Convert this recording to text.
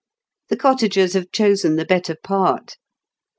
The cottagers have chosen the better part.